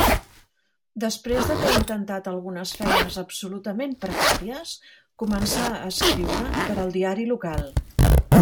Després d'haver intentat algunes feines absolutament precàries, començà a escriure per al diari local.